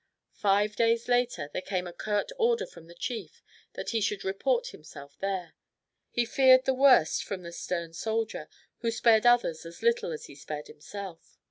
Five days later there came a curt order from the chief that he should report himself there. He feared the worst from the stern soldier, who spared others as little as he spared himself.